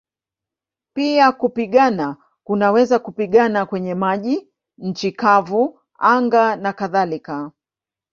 Pia kupigana kunaweza kupigana kwenye maji, nchi kavu, anga nakadhalika.